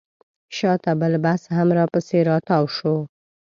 شاته بل بس هم راپسې راتاو شو.